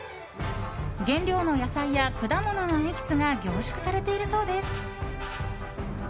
原料の野菜や果物のエキスが凝縮されているそうです。